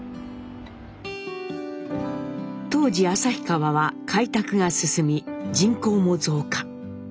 当時旭川は開拓が進み人口も増加。